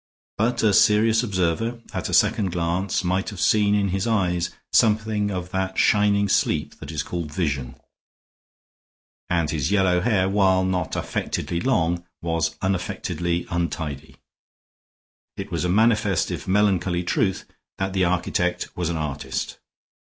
But a serious observer, at a second glance, might have seen in his eyes something of that shining sleep that is called vision; and his yellow hair, while not affectedly long, was unaffectedly untidy. It was a manifest if melancholy truth that the architect was an artist.